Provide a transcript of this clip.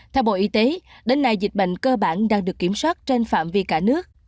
theo bộ y tế đến nay dịch bệnh cơ bản đang được kiểm soát trên phạm vi cả nước